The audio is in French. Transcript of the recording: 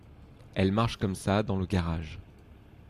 Elle marche comme ça dans le garage.